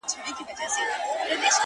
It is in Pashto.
چي پکي روح نُور سي چي پکي وژاړي ډېر